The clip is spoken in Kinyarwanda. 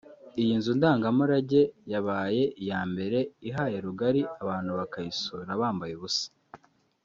Iyi nzu ndangamurage yabaye iya mbere ihaye rugari abantu bakayisura bambaye ubusa